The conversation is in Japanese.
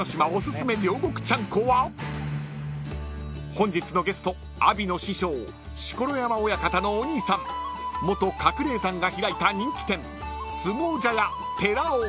［本日のゲスト阿炎の師匠錣山親方のお兄さん元鶴嶺山が開いた人気店］